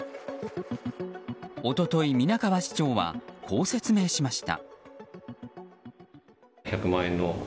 一昨日、皆川市長はこう説明しました。